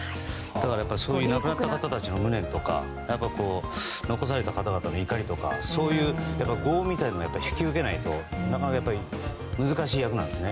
だから、亡くなった方たちの無念とか、残された方々の怒りとか、そうした業みたいなものを引き受けないと難しい役なんです。